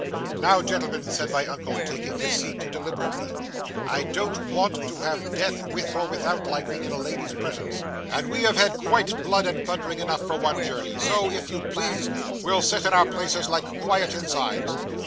'"Now, gentlemen," said my uncle, taking his seat deliberately, "I don't want to have any death, with or without lightning, in a lady's presence, and we have had quite blood and thundering enough for one journey; so, if you please, we'll sit in our places like quiet insides.